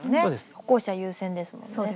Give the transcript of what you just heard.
歩行者優先ですもんね。